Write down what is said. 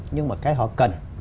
nhưng mà cái họ cần